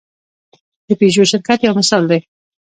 د پيژو شرکت یو مثال دی.